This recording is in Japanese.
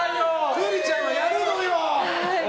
栗ちゃんはやるのよ！